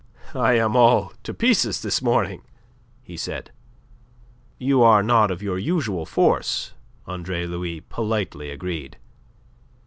"I am all to pieces this morning," he said. "You are not of your usual force," Andre Louis politely agreed.